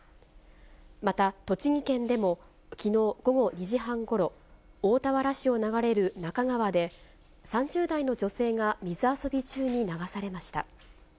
また栃木県でも、きのう午後２時半ごろ、大田原市を流れる那珂川で、３０代の女性が水遊び中に流されました。